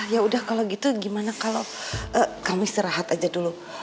ya udah kalau gitu gimana kalau kami istirahat aja dulu